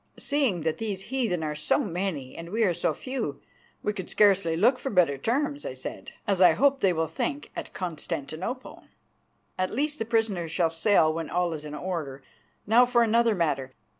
"Seeing that these heathen are so many and we are so few, we could scarcely look for better terms," I said, "as I hope they will think at Constantinople. At least the prisoners shall sail when all is in order. Now for another matter.